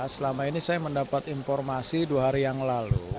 selama ini saya mendapat informasi dua hari yang lalu